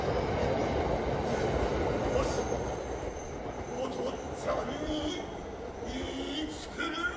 ようしおとっちゃんにいいつくるぞ。